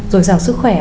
rồi rào sức khỏe